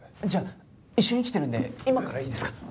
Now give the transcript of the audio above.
じゃあ一緒に来てるんで今からいいですか？